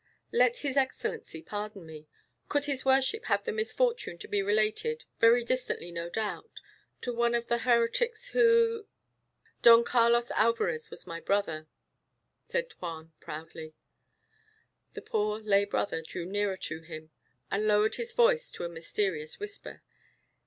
"Let his Excellency pardon me. Could his worship have the misfortune to be related, very distantly no doubt, to one of the heretics who " "Don Carlos Alvarez was my brother," said Juan proudly. The poor lay brother drew nearer to him, and lowered his voice to a mysterious whisper.